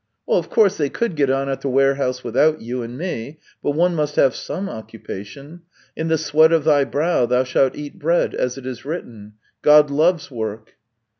" Of course, they could get on at the warehouse without you and me, but one must have some occupation. ' In the sweat of thy brow thou shalt eat bread,' as it is written. God loves work."